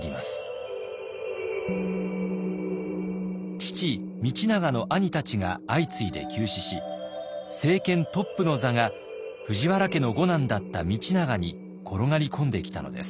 父道長の兄たちが相次いで急死し政権トップの座が藤原家の五男だった道長に転がり込んできたのです。